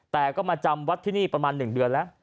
แต่ก็มาจำวัดที่นี่ประมาณ๑เดือนแล้ว